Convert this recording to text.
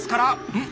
うん？